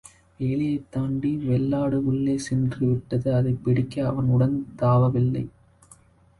வேலியைத் தாண்டி வெள்ளாடு உள்ளே சென்று விட்டது அதைப் பிடிக்க அவன் உடன் தாவவில்லை.